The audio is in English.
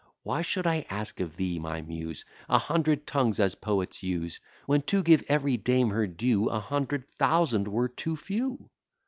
Why should I ask of thee, my Muse, A hundred tongues, as poets use, When, to give every dame her due, A hundred thousand were too few?